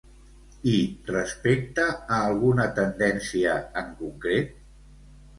I respecte a alguna tendència en concret?